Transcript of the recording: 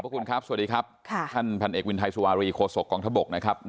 ขอบคุณครับสวัสดีครับท่านพันเอกวินไทยสุวารีโคศกองทบกนะครับ